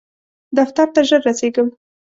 دفتر ته ژر رسیږم